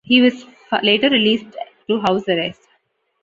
He was later released to house arrest.